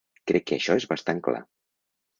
Crec que això és bastant clar.